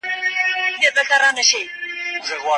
ځینې نجونې اوس هم په لرې پرتو سیمو کې زده کړې کوي.